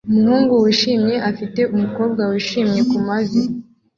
Umuhungu wishimye afite umukobwa wishimye kumavi